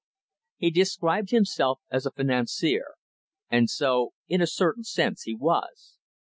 He described himself as a financier, and so in a certain sense he was.